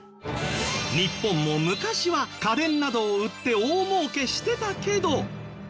日本も昔は家電などを売って大儲けしてたけど。